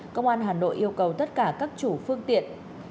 công an hà nội yêu cầu tất cả các chủ phương tiện